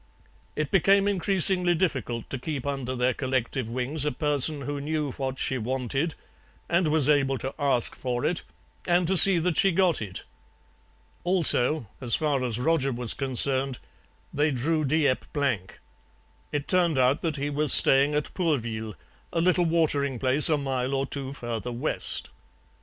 It became increasingly difficult to keep under their collective wings a person who knew what she wanted and was able to ask for it and to see that she got it. Also, as far as Roger was concerned, they drew Dieppe blank; it turned out that he was staying at Pourville, a little watering place a mile or two further west.